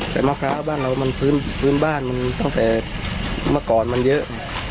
แต่มะพร้าวบ้านเรามันพื้นบ้านมันตั้งแต่เมื่อก่อนมันเยอะ